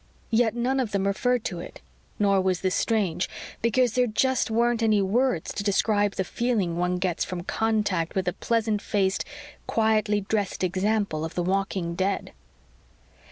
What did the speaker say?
Yet none of them referred to it. Nor was this strange, because there just weren't any words to describe the feeling one gets from contact with a pleasant faced, quietly dressed example of the walking dead.